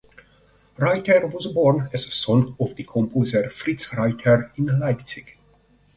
Reuter was born as son of the composer Fritz Reuter in Leipzig.